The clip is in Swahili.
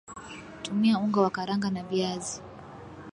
tumia unga wa karanga na viazi